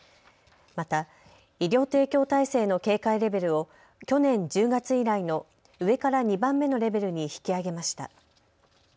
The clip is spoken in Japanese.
また医療提供体制の警戒レベルを去年１０月以来の上から２番目のレベルに引き上げました。